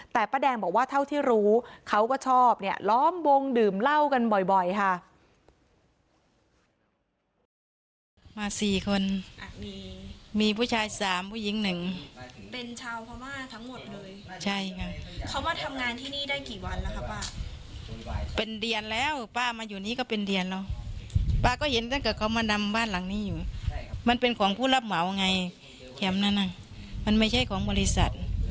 แต่ป้าแดงบอกว่าเท่าที่รู้เขาก็ชอบเนี่ยล้อมวงดื่มเหล้ากันบ่อยค่ะ